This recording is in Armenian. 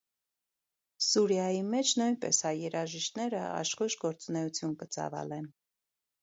Սուրիայի մէջ նոյնպէս հայ երաժիշտները աշխոյժ գործունէութիւն կը ծաւալեն։